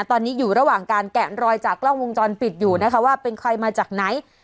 ตอนนี้อยู่ระหว่างการแกะรอยจากกล้องวงจรปิดอยู่นะคะว่าเป็นใครมาจากไหน